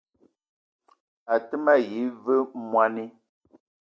A te ma yi ve mwoani